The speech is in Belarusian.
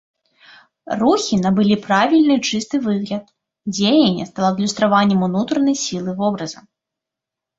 Рухі набылі правільны і чысты выгляд, дзеянне стала адлюстраваннем унутранай сілы вобраза.